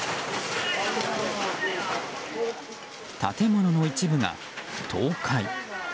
建物の一部が倒壊。